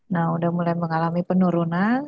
nah sudah mulai mengalami penurunan